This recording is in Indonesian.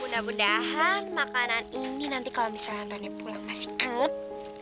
mudah mudahan makanan ini nanti kalau misalnya antoni pulang masih anget